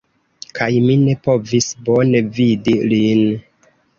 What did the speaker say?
Kaj mi ne povis bone vidi lin